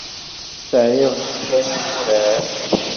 Terriḍ-tt kan i wurar.